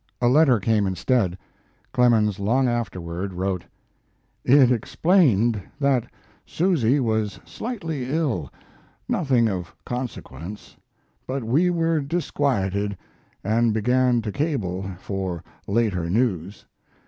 A letter came instead. Clemens long afterward wrote: It explained that Susy was slightly ill nothing of consequence. But we were disquieted and began to cable for later news.